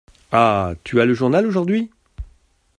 Ah ! tu as le journal d’aujourd’hui ?